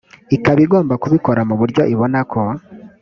ikaba igomba kubikora mu buryo ibonako